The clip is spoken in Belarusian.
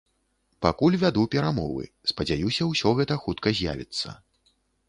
Пакуль вяду перамовы, спадзяюся ўсё гэта хутка з'явіцца.